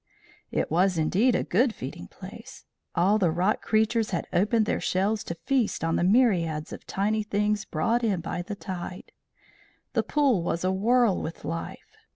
It was indeed a good feeding place. All the rock creatures had opened their shells to feast on the myriads of tiny things brought in by the tide. The pool was awhirl with life.